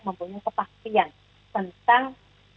mempunyai kepastian tentang